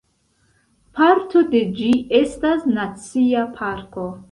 Parto de ĝi estas nacia parko.